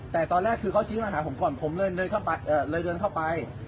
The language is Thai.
แต่ตอนแรกคือเขาชี้มาหาผมก่อนผมเลยเดินเข้าไป